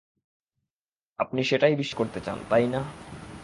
আপনি সেটাই বিশ্বাস করতে চান, তাই না?